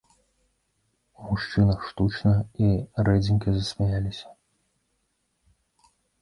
У мужчынах штучна і рэдзенька засмяяліся.